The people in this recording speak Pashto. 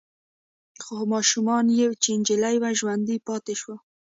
خو ماشوم يې چې نجلې وه ژوندۍ پاتې شوه.